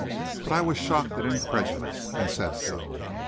But I was shocked and incredulous, and said so.